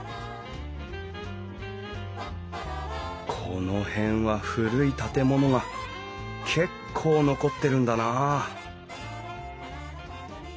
この辺は古い建物が結構残ってるんだな